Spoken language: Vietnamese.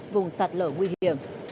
vùng sạt lở nguy hiểm